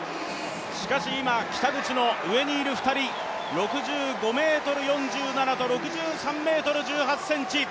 しかし、今、北口の上にいる２人６５ｍ４７と６３ｍ１８ｃｍ。